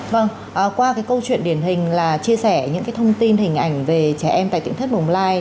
vâng qua cái câu chuyện điển hình là chia sẻ những cái thông tin hình ảnh về trẻ em tại tỉnh thất bồng lai